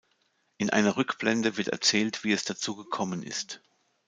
In einer Rückblende wird erzählt, wie es dazu gekommen ist.